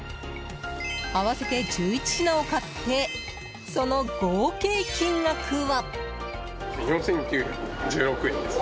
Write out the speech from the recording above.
合わせて１１品を買ってその合計金額は。